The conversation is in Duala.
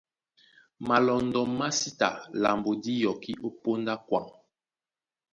Malɔndɔ má sí ta lambo dí yɔkí ó póndá a kwaŋ.